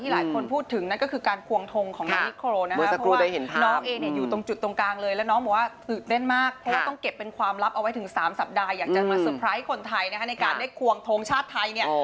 ให้คนไทยในการได้ควงทงชาติไทย